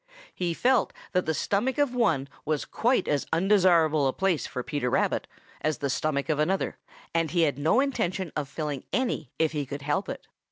He felt that the stomach of one was quite as undesirable a place for Peter Rabbit as the stomach of another, and he had no intention of filling any if he could help it.